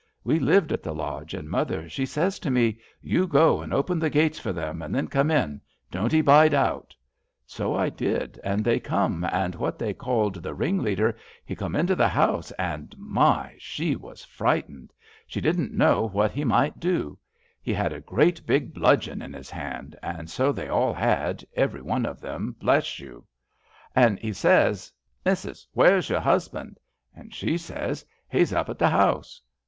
We lived at the lodge, and mother she says to me :* You go and open the gates for them and then come in ; don't 'ee bide out.' So I did, and they come, and what they called the ringleader he come into the house, and my ! she was frightened ! She didn't know what he might do. He had a great big bludgeon in his hand, and so they all had, everyone of them, bless you I 76 GRANNY HOBBS An' he says :' Missus where*s your husband ?' And she says :* He's up at the House.'